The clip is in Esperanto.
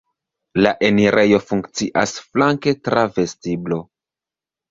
La enirejo funkcias flanke tra vestiblo.